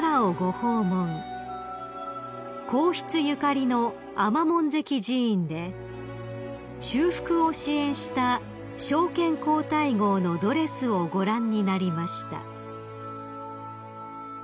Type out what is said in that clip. ［皇室ゆかりの尼門跡寺院で修復を支援した昭憲皇太后のドレスをご覧になりました］